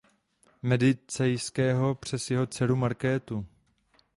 Medicejského přes jeho dceru Markétu.